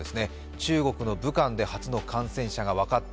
中国の武漢で初の感染者が分かった、